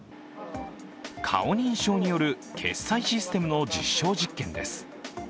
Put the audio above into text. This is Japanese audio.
顔認証による決済システムの実証実験です。